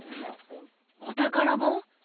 お宝本！